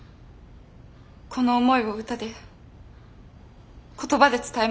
この思いを歌で言葉で伝えます。